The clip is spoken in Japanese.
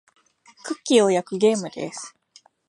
クッキーを焼くゲームです。